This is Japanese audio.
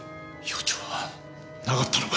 予兆はなかったのか？